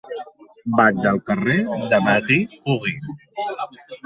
Vaig al carrer de Marie Curie.